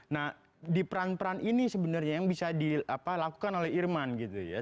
nah di peran peran ini sebenarnya yang bisa dilakukan oleh irman gitu ya